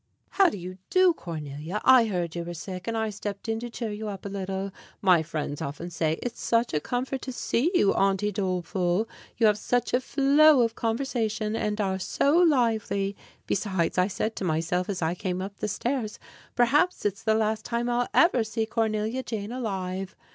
How do you do, Cornelia? I heard you were sick, and I stepped in to cheer you up a little. My friends often say: "It's such a comfort to see you, Aunty Doleful. You have such a flow of conversation, and are so lively." Besides, I said to myself, as I came up the stairs: "Perhaps it's the last time I'll ever see Cornelia Jane alive."